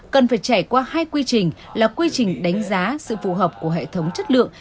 cần phải trải qua hai quy trình là quy trình đánh giá sự phù hợp của hệ thống chất lượng